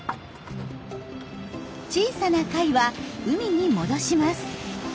小さな貝は海に戻します。